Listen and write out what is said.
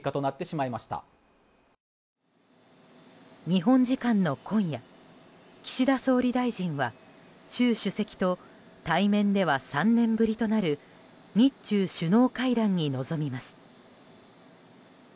日本時間の今夜岸田総理大臣は習主席と対面では３年ぶりとなる日中首脳会談に臨みます。